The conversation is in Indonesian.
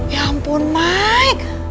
ya ampun mike